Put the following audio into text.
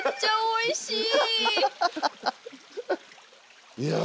おいしい！